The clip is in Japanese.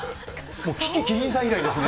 もう樹木希林さん以来ですね。